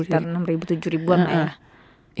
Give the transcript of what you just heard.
satu tanpa enam tujuh an lah ya